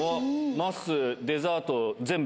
まっすー、デザート全部。